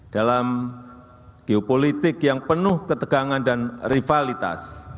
dalam geopolitik yang penuh ketegangan dan rivalitas